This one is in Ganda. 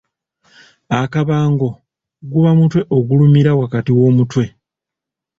Akabango guba mutwe ogulumira wakati w'omutwe.